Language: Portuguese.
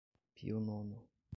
Pio Nono